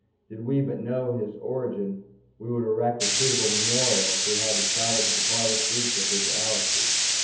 Did we but know his origin we would erect a suitable memorial if we had to travel to the farthest reach of our galaxy.